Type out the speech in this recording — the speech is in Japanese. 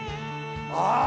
ああ